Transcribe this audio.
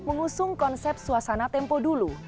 mengusung konsep suasana tempo dulu